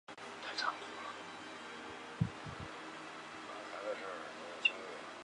甚受汉和帝特殊宠爱。